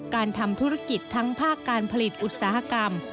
การทำธุรกิจทั้งภาคการผลิตอุตสาหกรรม